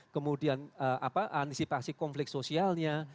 kemudian antisipasi konflik sosialnya